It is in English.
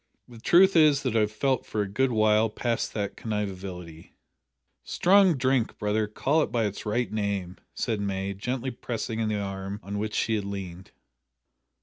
The truth is that I have felt for a good while past that conviviality " "Strong drink, brother, call it by its right name," said May, gently pressing the arm on which she leaned.